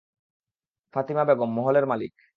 ফাতিমা বেগম, মহলের মালিক।